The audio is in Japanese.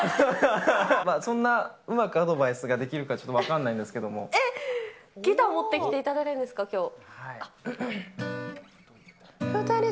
そんなうまくアドバイスができるかちょっと分かんないんですけどギター持ってきていただいたんですか、きょう。